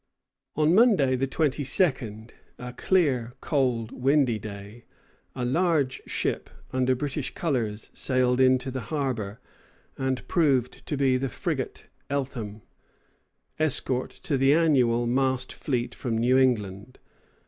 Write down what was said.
On Monday, the 22d, a clear, cold, windy day, a large ship, under British colors, sailed into the harbor, and proved to be the frigate "Eltham," escort to the annual mast fleet from New England.